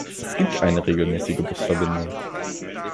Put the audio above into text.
Es gibt eine regelmäßige Busverbindung.